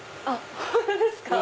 本当ですか。